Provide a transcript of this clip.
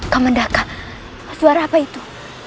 kaman daka suara apa itu